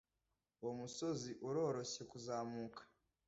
uwo musozi uroroshye kuzamuka